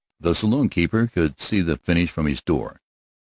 The saloon keeper could see the finish from his door.